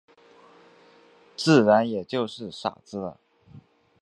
自然也就是傻子了。